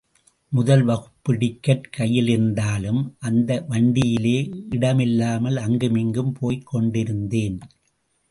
முதல் வகுப்பு டிக்கட் கையிலிருந்தாலும் அந்த வண்டியிலே இடமில்லாமல் அங்குமிங்கும் போய்க் கொண்டிருந்தேன்.